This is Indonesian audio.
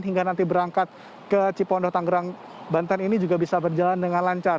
hingga nanti berangkat ke cipondo tanggerang banten ini juga bisa berjalan dengan lancar